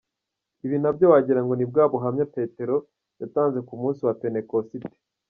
Ibi nabyo wagirango ni bwa buhamya Petero yatanze ku munsi wa penekositi.